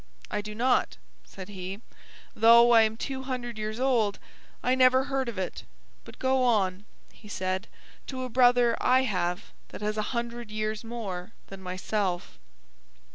"I do not," said he: "though I am two hundred years old I never heard of it. But go on," he said, "to a brother I have that has a hundred years more than myself."